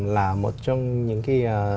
là một trong những cái